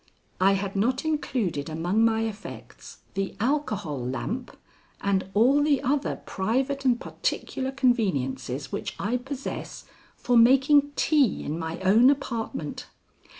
I had not included among my effects the alcohol lamp and all the other private and particular conveniences which I possess for making tea in my own apartment.